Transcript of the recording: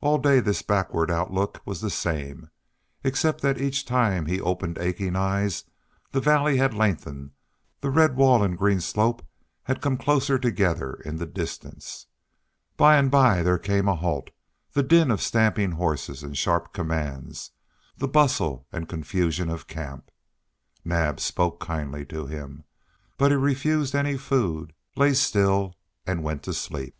All day this backward outlook was the same, except that each time he opened aching eyes the valley had lengthened, the red wall and green slope had come closer together in the distance. By and by there came a halt, the din of stamping horses and sharp commands, the bustle and confusion of camp. Naab spoke kindly to him, but he refused any food, lay still and went to sleep.